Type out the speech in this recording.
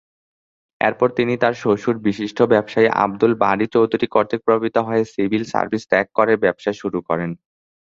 এরপর তিনি তার শ্বশুর বিশিষ্ট ব্যবসায়ী আবদুল বারী চৌধুরী কর্তৃক প্রভাবিত হয়ে সিভিল সার্ভিস ত্যাগ করে ব্যবসা শুরু করেন।